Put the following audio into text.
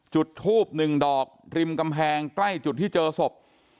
จุดทูบหนึ่งดอกริมกำแพงใกล้จุดที่เจอศพ